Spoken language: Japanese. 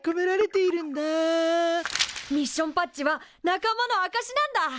ミッションパッチは仲間のあかしなんだ。